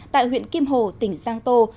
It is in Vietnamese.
tại huyện kim hồ tỉnh giang tô